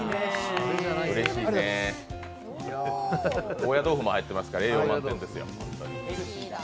高野豆腐も入ってますから、栄養満点ですよ。